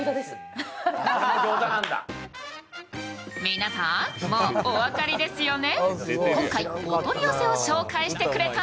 皆さん、もうお分かりですよね？